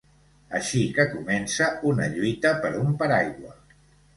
Així que comença una lluita per un paraigua.